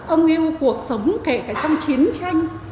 ông yêu cuộc sống kể cả trong chiến tranh